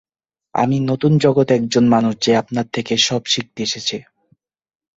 আমি নতুন জগতে একজন মানুষ যে আপনার থেকে সব শিখতে এসেছে।